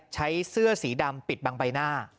เสื้อสีดำปิดบังใบหน้า